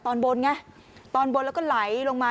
ตอนบนไงตอนบนแล้วก็ไหลลงมา